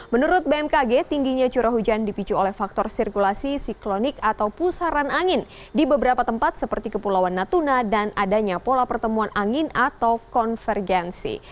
menurut bmkg tingginya curah hujan dipicu oleh faktor sirkulasi siklonik atau pusaran angin di beberapa tempat seperti kepulauan natuna dan adanya pola pertemuan angin atau konvergensi